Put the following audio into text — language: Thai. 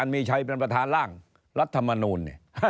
มีชัยเป็นประธานร่างรัฐมนูล